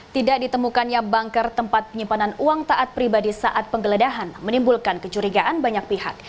tidak ditemukannya banker tempat penyimpanan uang taat pribadi saat penggeledahan menimbulkan kecurigaan banyak pihak